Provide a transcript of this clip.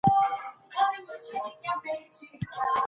د دغه نرمغالي مابينځ کي ځیني ستونزي پاته دي.